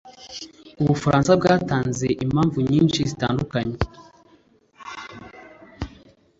U Bufaransa bwatanze impamvu nyinshi zitandukanye